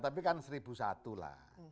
tapi kan seribu satu lah